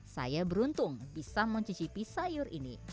saya beruntung bisa mencicipi sayur ini